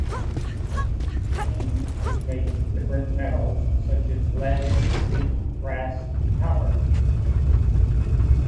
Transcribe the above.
Came is made of different metals, such as lead, zinc, brass and copper.